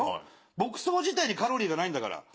牧草自体にカロリーがないんだから。